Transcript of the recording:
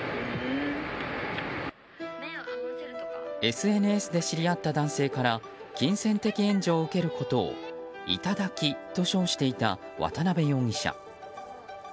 ＳＮＳで知り合った男性から金銭的援助を受けることを頂きと称していた渡辺容疑者。